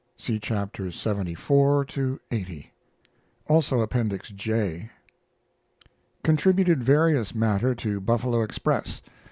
(See Chapters lxxiv to lxxx; also Appendix J.) Contributed various matter to Buffalo Express.